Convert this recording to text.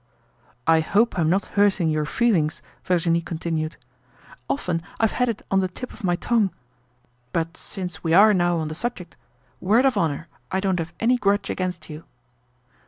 "I hope I'm not hurting your feelings," Virginie continued. "Often I've had it on the tip of my tongue. But since we are now on the subject, word of honor, I don't have any grudge against you."